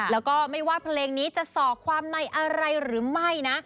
แล้วก็ไม่ว่าเพลงนี้จะสอกความในอะไรหรือไม่นะ